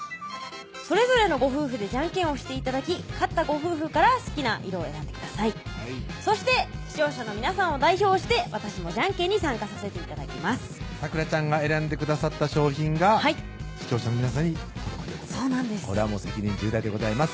それぞれのご夫婦でジャンケンをして頂き勝ったご夫婦から好きな色を選んでくださいそして視聴者の皆さんを代表して私もジャンケンに参加させて頂きます咲楽ちゃんが選んでくださった商品が視聴者の皆さんに届くということでこれはもう責任重大でございます